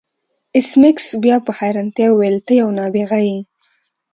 ایس میکس بیا په حیرانتیا وویل ته یو نابغه یې